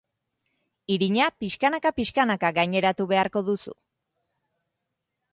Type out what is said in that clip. Irina pixkanaka-pixkanaka gaineratu beharko duzu.